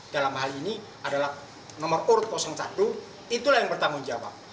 dalam hal ini adalah nomor urut satu itulah yang bertanggung jawab